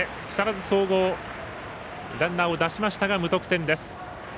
木更津総合ランナーを出しましたが無得点です。